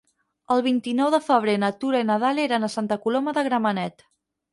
El vint-i-nou de febrer na Tura i na Dàlia iran a Santa Coloma de Gramenet.